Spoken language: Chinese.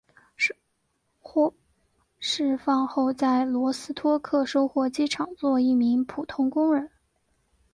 获释放后在罗斯托克收获机厂做一名普通工人。